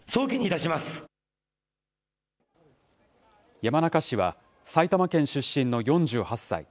山中氏は、埼玉県出身の４８歳。